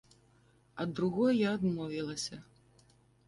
Ад другой я адмовілася.